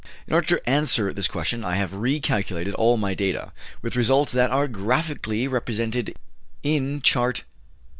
In order to answer this question I have re calculated all my data, with results that are graphically represented in Chart 13.